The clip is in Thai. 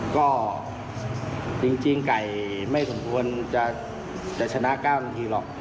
ก็จริงไก่ไม่สมควรจะชนะ๙นาทีหรอก